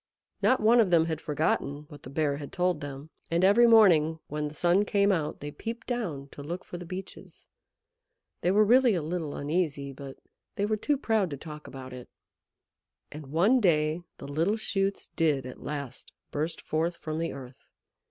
Not one of them had forgotten what the Bear had told them, and every morning when the sun came out they peeped down to look for the Beeches. They were really a little uneasy, but they were too proud to talk about it. And one day the little shoots did at last burst forth from the earth.